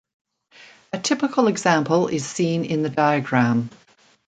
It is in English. A typical example is seen in the diagram.